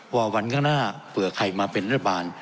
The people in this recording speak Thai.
ว่าวันข้างหน้าเผื่อใครมาเป็นรัฐบาล